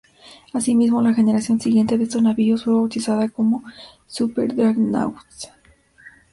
Asimismo, la generación siguiente de estos navíos fue bautizada como "super-dreadnoughts".